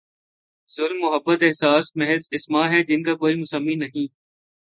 ظلم، محبت، احساس، محض اسما ہیں جن کا کوئی مسمی نہیں؟